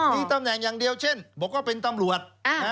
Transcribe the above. มีตำแหน่งอย่างเดียวเช่นบอกว่าเป็นตำรวจ